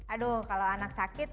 aduh kalau anak sakit